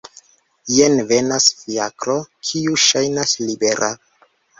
Jen venas fiakro kiu ŝajnas libera.